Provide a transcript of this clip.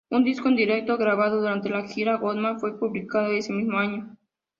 Un disco en directo grabado durante la gira, Gotham, fue publicado ese mismo año.